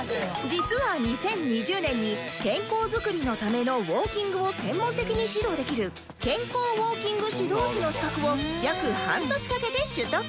実は２０２０年に健康づくりのためのウォーキングを専門的に指導できる健康ウオーキング指導士の資格を約半年かけて取得